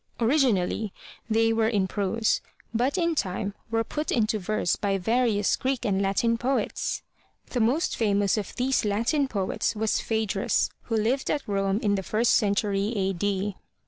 Originally they were in prose, but in time were put into verse by various Greek and Latin poets. The most famous of these Latin poets was Phaedrus who lived at Rome in M Y BOOK HOUSE the first century A. D.